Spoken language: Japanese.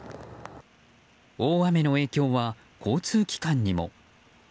大雨の影響は交通機関にも。